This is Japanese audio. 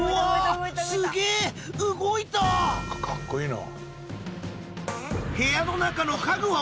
かっこいいな。